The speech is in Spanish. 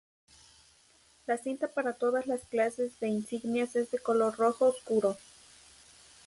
La cinta para todas las clases de insignias es de color rojo oscuro.